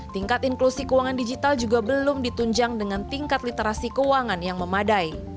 tingkat inklusi keuangan digital juga belum ditunjang dengan tingkat literasi keuangan yang memadai